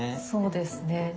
そうですね。